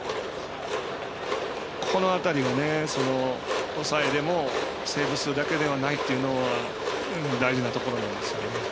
この辺りが抑えでもセーブ数だけではないというところで大事なところです。